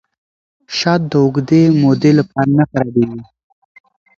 شات د اوږدې مودې لپاره نه خرابیږي.